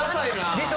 でしょ？